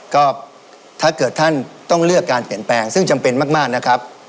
ก็ถ้าเกิดท่านต้องเลือกการเปลี่ยนแปลงซึ่งจำเป็นมากนะครับ